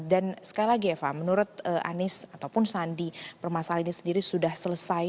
sekali lagi eva menurut anies ataupun sandi permasalahan ini sendiri sudah selesai